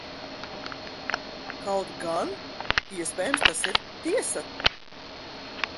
Kaut gan, iespējams, tas ir tiesa.